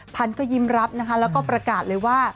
พันธุ์ก็ยิ้มรับนะคะแล้วก็ประกาศเลยว่า